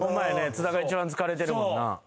津田が一番疲れてるもんな。